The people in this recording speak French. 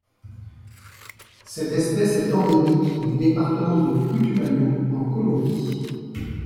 Cette espèce est endémique du département de Putumayo en Colombie.